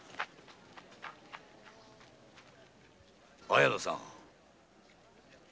・綾乃さん